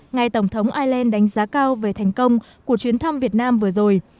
ngài tổng thống ireland đánh giá cao về thành công của chuyến thăm việt nam vừa rồi